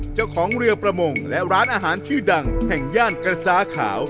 เจ้าของเรือประมงและร้านอาหารชื่อดังแห่งย่านกระซ้าขาว